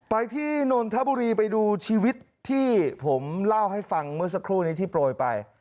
ไปที่นนทบุรีไปดูชีวิตที่ผมเล่าให้ฟังเมื่อสักครู่นี้ที่โปรยไป